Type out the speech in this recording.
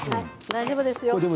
大丈夫ですよ。